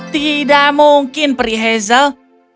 tidak mungkin pri hazel